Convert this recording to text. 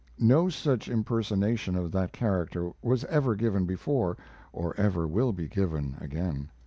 No such impersonation of that. character was ever given before, or ever will be given again.